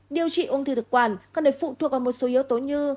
điều trị ung thư thực quản cần phải phụ thuộc vào một số yếu tố như